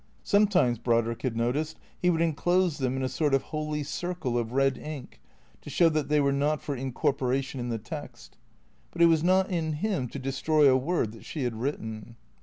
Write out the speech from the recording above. Some times (Brodrick had noticed) he would enclose them in a sort of holy circle of red ink, to show that they were not for incor poration in the text. But it was not in him to destroy a word that she had written.